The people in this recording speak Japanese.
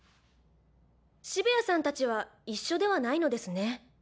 澁谷さんたちは一緒ではないのですね。